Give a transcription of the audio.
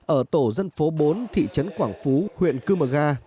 ở tổ dân phố bốn thị trấn quảng phú huyện cư mờ ga